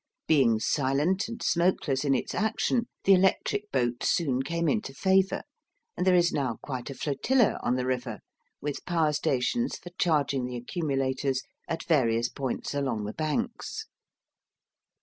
Being silent and smokeless in its action, the electric boat soon came into favour, and there is now quite a flotilla on the river, with power stations for charging the accumulators at various points along the banks.